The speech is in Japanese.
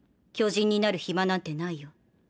巨人になるヒマなんてないよ。